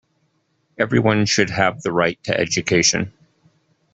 Everyone should have the right to education.